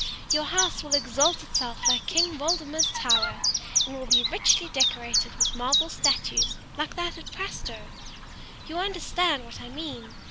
Your house will exalt itself like King Waldemar's tower, and will be richly decorated with marble statues, like that at Prastoe. You understand what I mean.